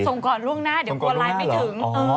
ก่อนล่วงหน้าเดี๋ยวกลัวไลน์ไม่ถึง